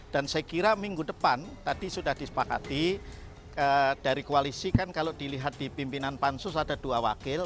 dan saya kira minggu depan tadi sudah disepakati dari koalisi kan kalau dilihat di pimpinan pansus ada dua wakil